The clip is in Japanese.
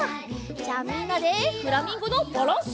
じゃみんなでフラミンゴのバランス。